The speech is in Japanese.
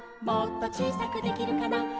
「もっとちいさくできるかな」